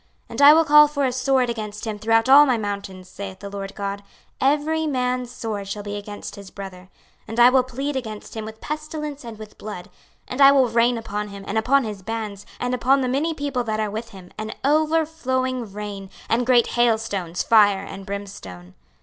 26:038:021 And I will call for a sword against him throughout all my mountains, saith the Lord GOD: every man's sword shall be against his brother. 26:038:022 And I will plead against him with pestilence and with blood; and I will rain upon him, and upon his bands, and upon the many people that are with him, an overflowing rain, and great hailstones, fire, and brimstone.